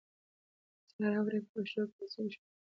صحرا او ریګ په پښتو کلاسیکو شعرونو کې شته.